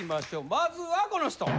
まずはこの人。